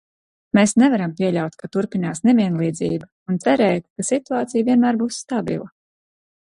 Mēs nevaram pieļaut, ka turpinās nevienlīdzība, un cerēt, ka situācija vienmēr būs stabila.